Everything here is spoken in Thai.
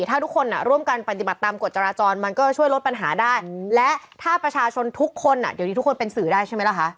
ถ้าทุกคนร่วมกันปฏิบัติตามกฎจราจรมันก็ช่วยลดปัญหาได้และถ้าประชาชนทุกคนเดี๋ยวนี้ทุกคนเป็นสื่อได้ใช่ไหมล่ะคะ